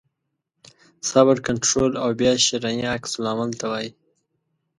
صبر کنټرول او بیا شرعي عکس العمل ته وایي.